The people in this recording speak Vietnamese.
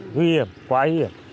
nguy hiểm quá nguy hiểm